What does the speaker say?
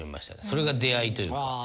それが出会いというか。